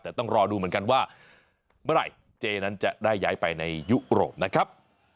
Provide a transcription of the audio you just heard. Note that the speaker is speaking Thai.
แต่ต้องรอดูเหมือนกันว่าเมื่อไหร่เจนั้นจะได้ย้ายไปในยุโรปนะครับ